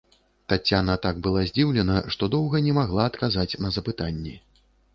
Таццяна так была здзіўлена, што доўга не магла адказаць на запытанні.